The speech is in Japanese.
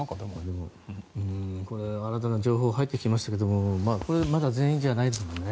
新たな情報が入ってきましたけれどもまだ全員じゃないですもんね。